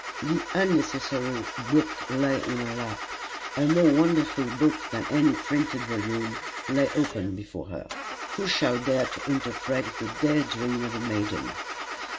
The unnecessary book lay in her lap; a more wonderful book than any printed volume lay open before her. Who shall dare to interpret the day dream of a maiden?